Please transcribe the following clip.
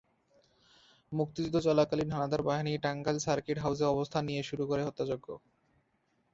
মুক্তিযুদ্ধ চলাকালে হানাদার বাহিনী টাঙ্গাইল সার্কিট হাউসে অবস্থান নিয়ে শুরু করে হত্যাযজ্ঞ।